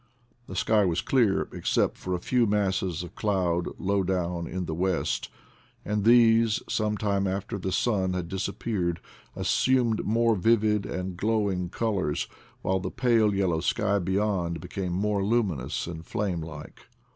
The sky was clear ex cept for a few masses of cloud low down in the west; and these, some time after the sun had dis appeared, assumed more vivid and glowing col ors, while the pale yellow sky beyond became more luminous and flame like.